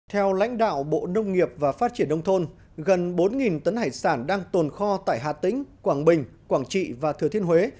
theo lãnh đạo bộ nông nghiệp và phát triển đông thôn gần bốn tấn hải sản đang tồn kho tại hà tĩnh quảng bình quảng trị và thừa thiên huế